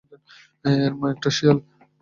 এর মা একটা শেয়াল!